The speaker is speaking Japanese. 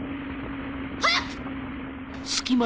早く！